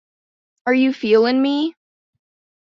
Are You Feelin' Me?